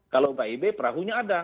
kalau bib perahunya ada